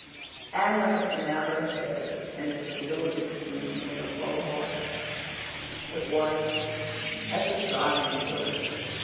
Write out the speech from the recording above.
Anne went up the narrow stairs and into that little east room with a full heart. It was as a shrine to her.